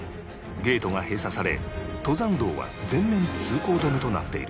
ゲートが閉鎖され登山道は全面通行止めとなっている